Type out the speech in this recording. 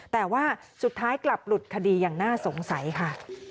แต่ว่าสุดท้ายกลับหลุดคดีอย่างน่าสงสัยค่ะ